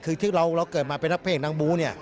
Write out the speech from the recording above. คือที่เราเกิดมาเป็นนักเพลงนางบูเนี่ย